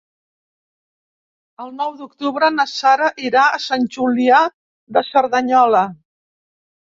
El nou d'octubre na Sara irà a Sant Julià de Cerdanyola.